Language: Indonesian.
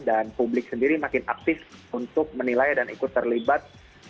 dan publik sendiri makin aktif untuk menilai dan ikut terlibat